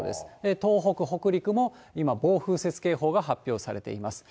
東北、北陸も今、暴風雪警報が発表されています。